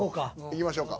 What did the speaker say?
いきましょうか。